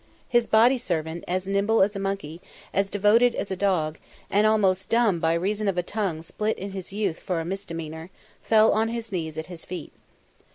His body servant, as nimble as a monkey, as devoted as a dog, and almost dumb by reason of a tongue split in his youth for misdemeanour, fell on his knees at his feet.